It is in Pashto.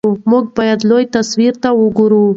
موږ باید لوی تصویر ته وګورو.